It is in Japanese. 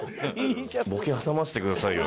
ボケ挟ませてくださいよ。